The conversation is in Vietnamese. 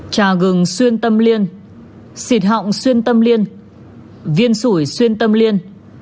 trà gừng xuyên tâm liên xịt họng xuyên tâm liên viên sủi xuyên tâm liên